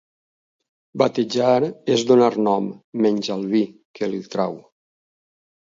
Batejar és donar nom, menys al vi, que li treu.